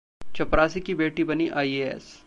चपरासी की बेटी बनी आईएएस